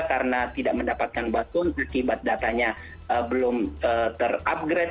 karena tidak mendapatkan bantuan akibat datanya belum terupgrade